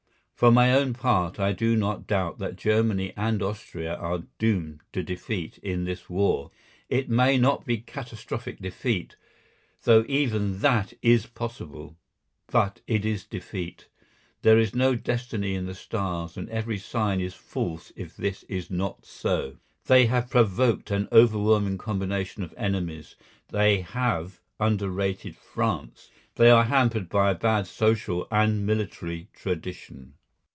For my own part, I do not doubt that Germany and Austria are doomed to defeat in this war. It may not be catastrophic defeat, though even that is possible, but it is defeat. There is no destiny in the stars and every sign is false if this is not so. They have provoked an overwhelming combination of enemies. They have under rated France. They are hampered by a bad social and military tradition.